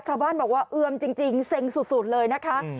ชาวบ้านบอกว่าเอือมจริงเซ็งสุดเลยนะคะ